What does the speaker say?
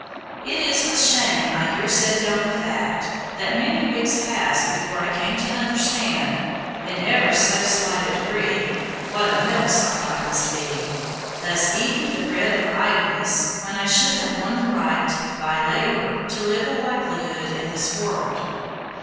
It is with shame I here set down the fact, that many weeks passed before I came to understand, in ever so slight a degree, what a milksop I must be, thus eating the bread of idleness when I should have won the right, by labor, to a livelihood in this world.